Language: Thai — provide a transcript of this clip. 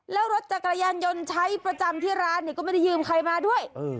แล้วรถจักรยานยนต์ใช้ประจำที่ร้านเนี่ยก็ไม่ได้ยืมใครมาด้วย